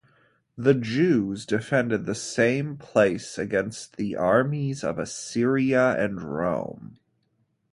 The Jews defended the same place against the armies of Assyria and Rome.